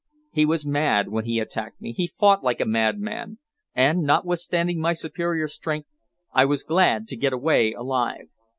He was mad when he attacked me, he fought like a madman, and, notwithstanding my superior strength, I was glad to get away alive.